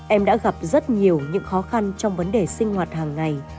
em đã gặp rất nhiều những khó khăn trong vấn đề sinh hoạt hàng ngày